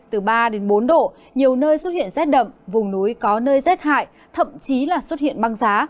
từ ba đến bốn độ nhiều nơi xuất hiện rét đậm vùng núi có nơi rét hại thậm chí là xuất hiện băng giá